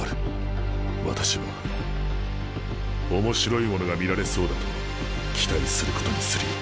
私は面白いものが見られそうだと期待することにするよ。